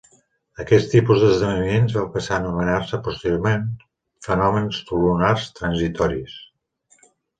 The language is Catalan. Aquest tipus d'esdeveniments va passar a anomenar-se posteriorment fenòmens lunars transitoris.